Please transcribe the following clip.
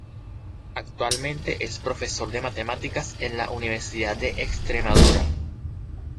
Actualmente es profesor de Matemáticas en la Universidad de Extremadura.